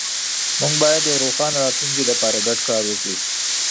موږ باید د یو روښانه راتلونکي لپاره ګډ کار وکړو.